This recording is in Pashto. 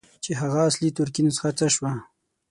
چې هغه اصلي ترکي نسخه څه شوه.